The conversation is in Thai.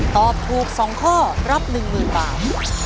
ตอบถูก๒ข้อรับ๑๐๐๐บาท